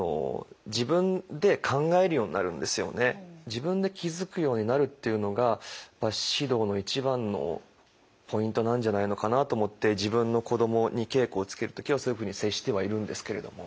自分で気づくようになるっていうのが指導の一番のポイントなんじゃないのかなと思って自分の子どもに稽古をつける時はそういうふうに接してはいるんですけれども。